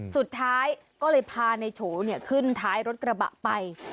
สุดท้ายก็เลยพานายโฉอเนี่ยขึ้นท้ายรถกระบะไป